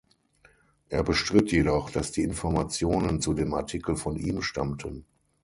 Er bestritt jedoch, dass die Informationen zu dem Artikel von ihm stammten.